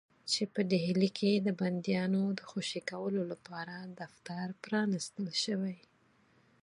چې په ډهلي کې د بندیانو د خوشي کولو لپاره دفتر پرانیستل شوی.